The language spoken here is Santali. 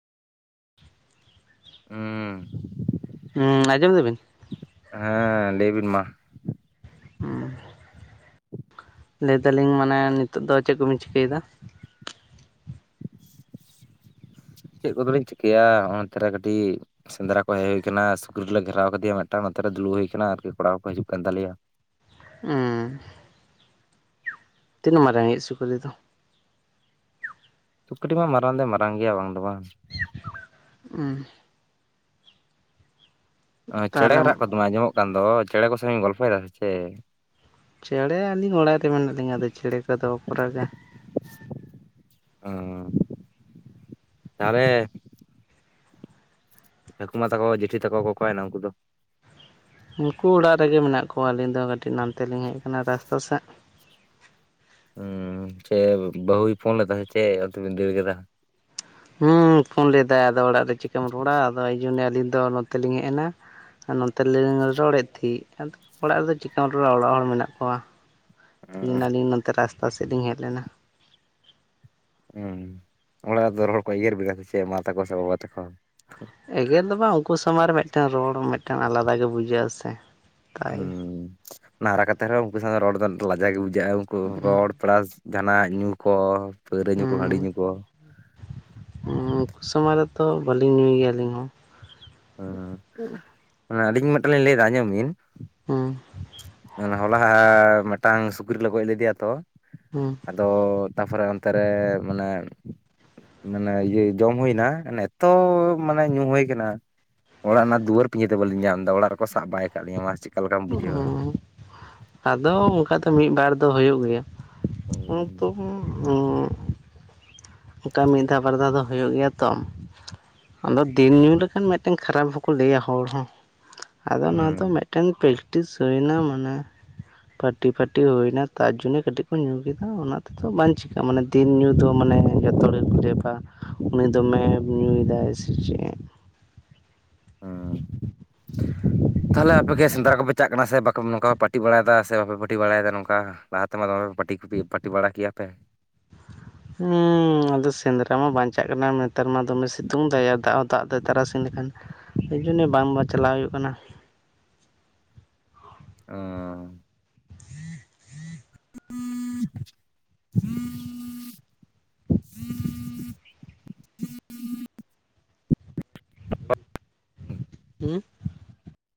ᱚᱸ ᱦᱩᱸ ᱟᱡᱚᱢ ᱫᱟᱵᱤᱱ ᱦᱮᱸ ᱞᱟᱹᱭ ᱵᱤᱱ ᱢᱟ ᱦᱩ ᱞᱟᱹᱭ ᱫᱟᱞᱤᱧ ᱢᱟᱱᱮ ᱱᱤᱛᱳ ᱫᱚ ᱪᱮᱫ ᱠᱚᱵᱤᱱ ᱪᱤᱠᱟᱹᱭᱫᱟ ᱪᱮᱫ ᱠᱚᱫᱚ ᱞᱤᱧ ᱪᱤᱠᱟᱹᱭᱟ ᱚᱱᱚᱛᱮᱨᱮ ᱠᱟᱹᱴᱤᱡ ᱥᱮᱸᱫᱽᱨᱟ ᱠᱚ ᱦᱮᱡ ᱦᱩᱭ ᱟᱠᱟᱱᱟ ᱥᱩᱠᱨᱤ ᱞᱮ ᱜᱷᱮᱨᱟᱣ ᱟᱠᱟᱫᱮᱭᱟ ᱢᱤᱫᱴᱟᱝ ᱱᱚᱛᱮᱨᱮ ᱫᱩᱲᱩᱵ ᱦᱩᱭ ᱟᱠᱟᱱᱟ ᱟᱨᱠᱤ ᱠᱚᱲᱟ ᱦᱚᱸᱠᱚ ᱦᱤᱡᱩᱜ ᱠᱟᱱ ᱛᱟᱞᱮᱭᱟ᱾ ᱦᱩᱸ ᱛᱤᱱ ᱢᱟᱨᱟᱝ ᱤᱡ ᱥᱩᱠᱨᱤ ᱫᱚ᱾ ᱥᱩᱠᱨᱤ ᱢᱟ ᱢᱟᱨᱟᱝ ᱫᱚᱭ ᱢᱟᱨᱟᱝ ᱜᱮᱭᱟ ᱵᱟᱝ ᱫᱚ ᱵᱟᱝ ᱩᱸ ᱪᱮᱸᱬᱮ ᱛᱟᱦᱚᱞᱮ ᱨᱟᱜ ᱠᱚ ᱫᱚᱢᱮ ᱟᱸᱡᱚᱢᱚᱜ ᱠᱟᱱ ᱫᱚ ᱪᱮᱸᱬᱮ ᱠᱚ ᱥᱟ ᱤᱧ ᱜᱚᱞᱯᱷᱚ ᱭᱮᱫᱟ ᱥᱮ ᱪᱮᱫ ᱪᱮᱸᱬᱮ ᱟᱹᱞᱤᱧ ᱚᱲᱟᱜ ᱨᱮ ᱢᱮᱱᱟᱜ ᱞᱤᱧᱟᱹ ᱟᱫᱚ ᱪᱮᱸᱬᱮ ᱠᱚᱫᱚ ᱵᱟᱠᱚ ᱨᱟᱜᱟ᱾ ᱚ ᱛᱟᱦᱚᱞᱮ ᱠᱟᱠᱤ ᱢᱟ ᱛᱟᱠᱚ ᱡᱤᱴᱷᱤ ᱛᱟᱠᱚ ᱠᱚ ᱚᱠᱟᱭᱮᱱᱟ ᱩᱱᱠᱩ ᱫᱚ ᱩᱱᱠᱩ ᱚᱲᱟᱜ ᱨᱮᱜᱮ ᱢᱮᱱᱟᱜ ᱠᱚᱣᱟ᱾ ᱟᱹᱞᱤᱧ ᱫᱚ ᱠᱟᱹᱴᱤᱡ ᱱᱟᱱᱛᱮ ᱞᱤᱧ ᱦᱮᱡ ᱟᱠᱟᱱᱟ ᱨᱟᱥᱛᱟ ᱥᱮᱫ ᱦᱩ ᱪᱮᱫ ᱵᱟᱹᱦᱩᱭ ᱯᱷᱳᱱ ᱞᱮᱫ ᱛᱟᱸᱦᱮᱫ ᱥᱮ ᱪᱮᱫ ᱚᱱᱛᱮ ᱵᱤᱱ ᱫᱟᱹᱲ ᱠᱮᱫᱟ ᱦᱩᱸ ᱯᱷᱳᱱ ᱞᱮᱫᱟᱭ ᱟᱫᱚ ᱚᱲᱟᱜ ᱨᱮ ᱪᱤᱠᱟᱹᱢ ᱨᱚᱲᱟ ᱟᱫᱚ ᱮᱤ ᱡᱚᱱᱱᱚ ᱟᱹᱞᱤᱧ ᱫᱚ ᱱᱚᱛᱮᱞᱤᱧ ᱦᱮᱡ ᱮᱱᱟ᱾ ᱟᱨ ᱱᱚᱛᱮ ᱨᱮᱞᱤᱧ ᱨᱚᱲᱮᱫ ᱛᱟᱦᱮᱫ᱾ᱚᱲᱟᱜ ᱨᱮᱫᱚ ᱪᱤᱠᱟᱢ ᱨᱚᱲᱟ ᱚᱲᱟᱜ ᱦᱚᱲ ᱢᱮᱱᱟᱜ ᱠᱚᱣᱟ ᱦᱮᱡ ᱮᱱᱟᱞᱤᱧ ᱱᱚᱛᱮ ᱨᱟᱥᱛᱟ ᱥᱮᱫ ᱞᱤᱧ ᱦᱮᱡ ᱞᱮᱱᱟ᱾ ᱦᱮᱸ ᱚᱲᱟᱜ ᱨᱮᱫᱚ ᱨᱚᱲ ᱠᱚ ᱮᱜᱮᱨ ᱵᱮᱱᱟ ᱥᱮ ᱪᱮᱫ ᱢᱟ ᱛᱟᱠᱚ ᱥᱮ ᱵᱟᱵᱟ ᱛᱟᱠᱚ ᱮᱜᱮᱨ ᱫᱚ ᱵᱟᱝ, ᱩᱱᱠᱩ ᱥᱟᱢᱟᱝ ᱨᱮ ᱢᱤᱫᱴᱮᱱ ᱨᱚᱲ ᱢᱤᱫᱴᱮᱱ ᱟᱞᱟᱫᱟ ᱜᱮ ᱵᱩᱡᱷᱟᱹᱜ-ᱟ ᱥᱮ ᱛᱟᱭ ᱦᱮᱸ ᱦᱟᱨᱟ ᱠᱟᱛᱮ ᱨᱮᱸᱦᱚ ᱩᱱᱠᱩ ᱥᱟᱶ ᱨᱚᱲ ᱫᱚ ᱞᱟᱡᱟᱣ ᱜᱮ ᱵᱩᱡᱷᱟᱹᱜᱼᱟ ᱩᱱᱠᱩ ᱨᱚᱲ ᱯᱞᱟᱥ ᱡᱟᱦᱟᱱᱟᱜ ᱧᱩ ᱠᱚ ᱯᱟᱹᱣᱨᱟᱹ ᱧᱩ ᱠᱚ ᱦᱟᱺᱰᱤ ᱧᱩ ᱠᱚ ᱩᱱᱠᱩ ᱥᱟᱢᱟᱝ ᱨᱮᱛᱚ ᱵᱟᱹᱞᱤᱧ ᱧᱩᱭ ᱜᱮᱭᱟ ᱟᱹᱞᱤᱧ ᱦᱚᱸ ᱦᱚᱸ ᱟᱹᱞᱤᱧ ᱢᱤᱫᱴᱮᱱ ᱞᱤᱧ ᱞᱟᱹᱭ ᱮᱫᱟ ᱟᱸᱡᱚᱢ ᱵᱤᱱ ᱦᱮᱸ ᱦᱚᱞᱟ ᱢᱤᱫᱴᱟᱝ ᱥᱩᱠᱨᱤ ᱞᱮ ᱜᱚᱡ ᱞᱮᱫᱮᱭᱟ ᱛᱚ ᱦᱩᱸ ᱟᱫᱚ ᱛᱟᱯᱚᱨᱮ ᱚᱱᱛᱮ ᱨᱮ ᱢᱟᱱᱮ ᱢᱟᱱᱮ ᱤᱭᱟᱹ ᱡᱚᱢ ᱦᱩᱭᱮᱱᱟ ᱢᱟᱱᱮ ᱮᱛᱚ ᱢᱟᱱᱮ ᱧᱩ ᱦᱩᱭ ᱟᱠᱟᱱᱟ᱾ ᱚᱲᱟᱜ ᱨᱮᱱᱟᱜ ᱫᱩᱣᱟᱹᱨ ᱯᱤᱡᱟᱹ ᱛᱮ ᱵᱟᱹᱞᱤᱧ ᱧᱟᱢ ᱮᱫᱟ ᱚᱲᱟᱜ ᱨᱮᱠᱚ ᱥᱟᱵ ᱵᱟᱭ ᱟᱠᱟᱫ ᱞᱤᱧᱟᱹ ᱢᱟ ᱪᱮᱫ ᱞᱮᱠᱟᱢ ᱵᱩᱡᱷᱟᱹᱣᱟ ᱚᱸ ᱟᱫᱚ ᱚᱱᱠᱟ ᱫᱚ ᱢᱤᱫ ᱵᱟᱨ ᱫᱚ ᱦᱩᱭᱩᱜ ᱜᱮᱭᱟ᱾ ᱦᱩᱸ [unintelligible] ᱚᱱᱠᱟ ᱢᱤᱫ ᱫᱷᱟᱣ ᱵᱟᱨ ᱫᱷᱟᱣ ᱫᱚ ᱦᱩᱭᱩᱜ ᱜᱮᱭᱟ ᱛᱚ, ᱟᱫᱚ ᱫᱤᱱ ᱧᱩ ᱞᱮᱠᱷᱟᱱ ᱢᱤᱫ ᱴᱮᱱ ᱠᱷᱟᱨᱟᱯ ᱦᱚᱸᱠᱚ ᱞᱟᱹᱭᱟ ᱦᱚᱲ ᱦᱚᱸ, ᱟᱫᱚ ᱚᱱᱟ ᱫᱚ ᱦᱩᱸ ᱢᱤᱫ ᱴᱮᱱ ᱯᱮᱠᱴᱤᱥ ᱦᱩᱭᱮᱱᱟ ᱢᱟᱱᱮ, ᱯᱟᱹᱴᱤ ᱯᱷᱟᱴᱤ ᱦᱩᱭᱱᱟ ᱛᱟᱨ ᱡᱚᱱᱱᱮ ᱠᱟᱹᱴᱤᱡ ᱵᱚ ᱧᱩ ᱠᱮᱫᱟ ᱚᱱᱟ ᱛᱮᱫᱚ ᱵᱟᱝ ᱪᱤᱠᱟᱹᱜᱼᱟ᱾ ᱢᱟᱱᱮ ᱫᱤᱱ ᱧᱩ ᱫᱚ ᱢᱟᱱᱮ ᱡᱚᱛᱚ ᱦᱚᱲ ᱜᱮᱠᱚ ᱞᱟᱹᱭᱟ ᱵᱟᱝ ᱩᱱᱤ ᱫᱚᱢᱮ ᱧᱩᱭᱫᱟᱭ ᱥᱮ ᱪᱮᱫ ᱦᱚ ᱛᱟᱦᱚᱞᱮ ᱟᱯᱮᱜᱮ ᱥᱮᱫᱽᱨᱟ ᱠᱚᱯᱮ ᱪᱟᱜ ᱠᱟᱱᱟ ᱥᱮ ᱵᱟᱠᱚ ᱱᱚᱝᱠᱟ ᱯᱟᱹᱴᱤ ᱵᱟᱲᱟᱭᱫᱟ ᱥᱮ ᱵᱟᱯᱮ ᱯᱟᱹᱴᱤ ᱵᱟᱲᱟᱭᱮᱫᱟ ᱱᱚᱝᱠᱟ ᱞᱟᱦᱟ ᱛᱮᱢᱟ ᱫᱚᱢᱮ ᱯᱟᱴᱤ ᱵᱟᱲᱟ ᱠᱮᱭᱟ ᱯᱮ ᱦᱮᱸ ᱟᱫᱚ ᱥᱮᱸᱫᱽᱨᱟ ᱢᱟ ᱵᱟᱧᱪᱟᱜ ᱠᱟᱱᱟ ᱱᱮᱛᱟᱨ ᱢᱟ ᱫᱚᱢᱮ ᱥᱤᱛᱩᱝ ᱫᱟ ᱫᱟᱜ ᱦᱚᱸ ᱫᱟᱜ ᱫᱟᱭ ᱛᱟᱨᱟᱥᱤᱧ ᱞᱮᱠᱷᱟᱱ ᱮᱤ ᱡᱚᱱᱱᱮ ᱵᱟᱝ ᱪᱟᱞᱟᱣ ᱦᱩᱭᱩᱜ ᱠᱟᱱᱟ᱾ ᱚ [inaudible] [inaudible] ᱦᱮᱸ